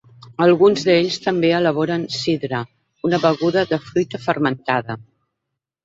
Alguns d'ells també elaboren sidra, una beguda de fruita fermentada.